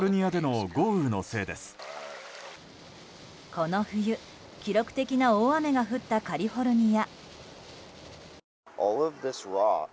この冬、記録的な大雨が降ったカリフォルニア。